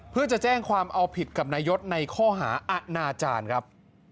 เพื่อจะแจ้งความเอาผิดกับนายศในข้อหาอาณาจารย์ครับ